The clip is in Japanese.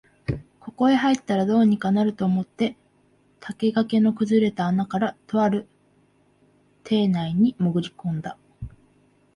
ここへ入ったら、どうにかなると思って竹垣の崩れた穴から、とある邸内にもぐり込んだ